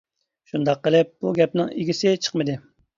شۇنداق قىلىپ بۇ گەپنىڭ ئىگىسى چىقمىدى.